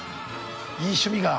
いい趣味が。